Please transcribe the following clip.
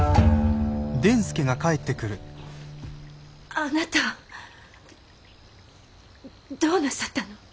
あなたどうなさったの？